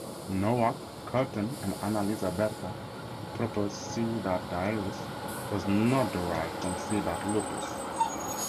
Nowak, Kurten, and Annalisa Berta proposed that "C.dirus" was not derived from "C.lupus".